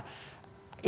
ini berhubungan dengan apa